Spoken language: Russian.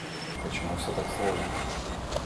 Почему всё так сложно?